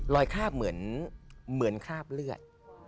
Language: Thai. รอยคราบเหมือนเหมือนคราบเลือด